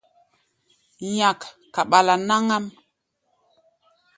Nyak kaɓala náŋ-ám.